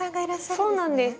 そうなんです。